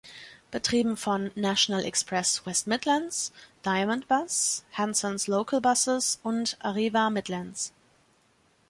Betrieben von National Express West Midlands, Diamond Bus, Hanson's Local Buses und Arriva Midlands.